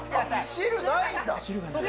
汁ないんだ。